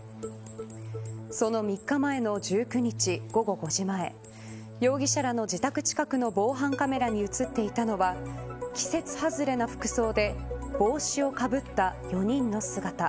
その３日前の１９日午後５時前容疑者らの自宅近くの防犯カメラに映っていたのは季節外れの服装で帽子をかぶった４人の姿。